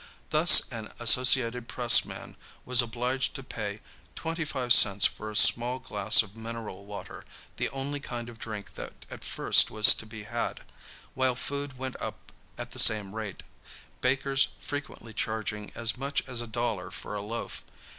Thus an Associated Press man was obliged to pay twenty five cents for a small glass of mineral water, the only kind of drink that at first was to be had, while food went up at the same rate, bakers frequently charging as much as a dollar for a loaf.